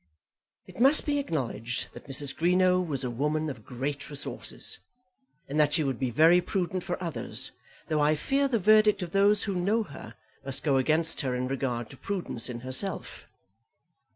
It must be acknowledged that Mrs. Greenow was a woman of great resources, and that she would be very prudent for others, though I fear the verdict of those who know her must go against her in regard to prudence in herself.